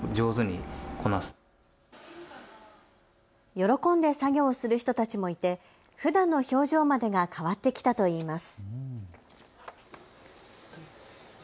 喜んで作業をする人たちもいてふだんの表情までが変わってきたといいます。